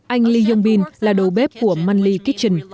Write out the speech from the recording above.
anh lee yong bin là đầu bếp của manly kitchen